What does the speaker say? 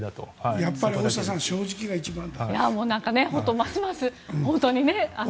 やっぱり大下さん正直が一番だ。